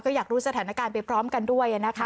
ก็อยากรู้สถานการณ์ไปพร้อมกันด้วยนะคะ